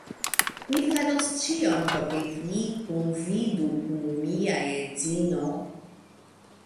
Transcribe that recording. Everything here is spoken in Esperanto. Mi faros ĉion por ke vi kunvidu kun mia edzino